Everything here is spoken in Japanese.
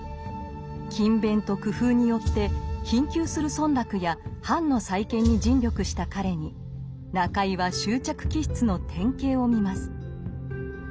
「勤勉」と「工夫」によって貧窮する村落や藩の再建に尽力した彼に中井は執着気質の典型を見ます。